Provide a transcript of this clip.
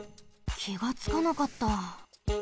きがつかなかった。